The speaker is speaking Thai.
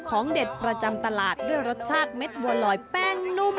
ของเด็ดประจำตลาดด้วยรสชาติเม็ดบัวลอยแป้งนุ่ม